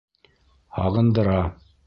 Һағындыра.